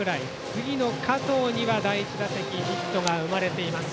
次の加藤には第１打席でヒットが生まれています。